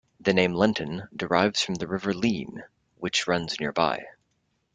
The name "Lenton" derives from the River Leen, which runs nearby.